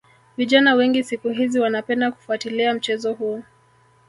Vijana wengi siku hizi wanapenda kufuatilia mchezo huu